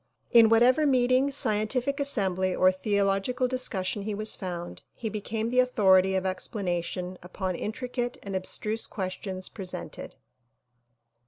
In whatever meeting, scientific assembly or theolog ical discussion he was found, he became the authority of explana tion upon intricate and abstruse questions presented.